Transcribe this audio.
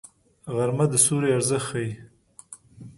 غرمه د سیوري ارزښت ښيي